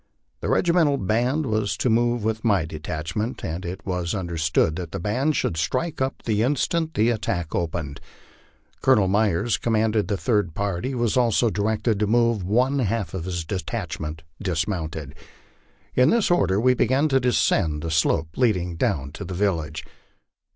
The regimental band was to move with my detachment, and it was understood that the band should strike up the instant the attack opened. Colonel Myers, commanding the third party, was also directed to move one half his detachment dismounted. In this order we began to descend the slope leading down to the village.